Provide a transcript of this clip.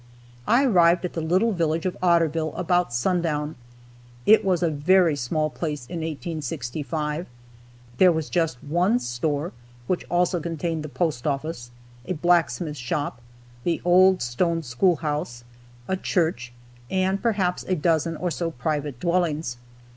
I arrived at the little village of Otterville about sundown. It was a very small place in 1865. There was just one store, (which also contained the post office,) a blacksmith shop, the old "Stone school house," a church, and perhaps a dozen or so private dwellings.